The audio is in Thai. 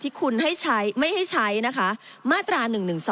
ที่คุณให้ใช้ไม่ให้ใช้นะคะมาตรา๑๑๒